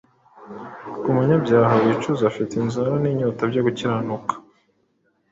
Ku munyabyaha wicuza afite inzara n’inyota byo gukiranuka,